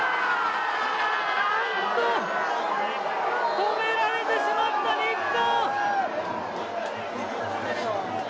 止められてしまった日本。